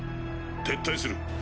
撤退する。